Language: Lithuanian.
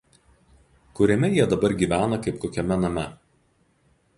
kuriame jie dabar gyvena kaip kokiame name